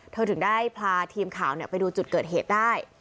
ถึงได้พาทีมข่าวไปดูจุดเกิดเหตุได้